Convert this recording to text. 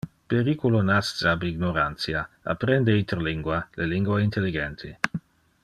Periculo nasce ab ignorantia. Apprende interlingua le lingua intelligente.